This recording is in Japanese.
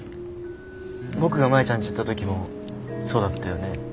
僕がマヤちゃんち行った時もそうだったよね。